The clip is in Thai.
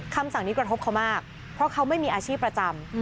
คำสั่งนี้กระทบเขามากเพราะเขาไม่มีอาชีพประจำ